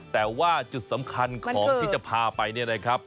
แต่ว่าจุดสำคัญของที่จะพาไปเนี่ยนะครับ